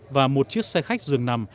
và một chiếc xe khách dường nằm